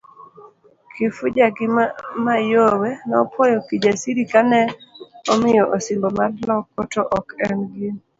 Kifuja gi Mayowe nopwoyo Kijsiri kane omiyo osimbo mar loko to ok gin'.